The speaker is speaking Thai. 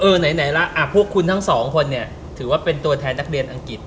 ไหนล่ะพวกคุณทั้งสองคนเนี่ยถือว่าเป็นตัวแทนนักเรียนอังกฤษ